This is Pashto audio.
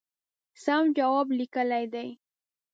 سم جواب لیکلی دی.